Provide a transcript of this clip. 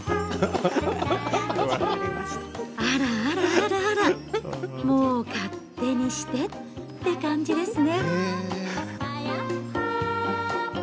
あらあらあらあらもう勝手にしてって感じですね。